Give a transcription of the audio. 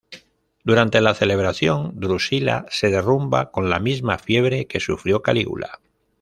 Durante la celebración, Drusila se derrumba con la misma fiebre que sufrió Calígula.